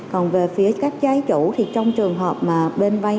còn về phía các trái chủ thì trong trường hợp mà bên vay